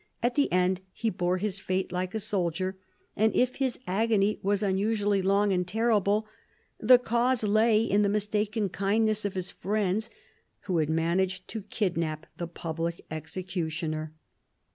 At the end he bore his fate like a soldier ; and if his agony was unusually long and terrible, the cause lay in the mistaken kindness of his friends, who had managed to kidnap the public executioner.